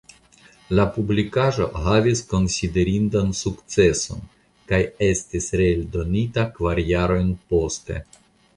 La publikaĵo havis konsiderindan sukceson kaj estis reeldonita kvar jarojn poste.